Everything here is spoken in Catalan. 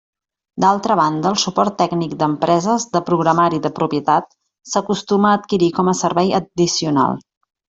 D'altra banda, el suport tècnic d'empreses de programari de propietat s'acostuma a adquirir com a servei addicional.